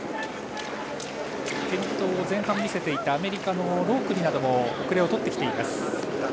転倒を前半で見せていたアメリカのロークリなども後れを取ってきています。